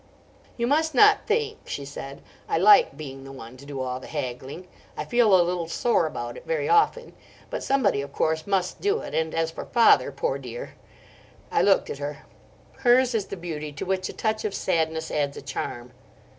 "You must not think," she said, "I like being the one to do all the haggling. I feel a little sore about it very often. But somebody, of course, must do it; and as for father, poor dear—" I looked at her. Her's is the beauty to which a touch of sadness adds a charm.